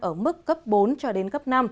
ở mức cấp bốn cho đến cấp năm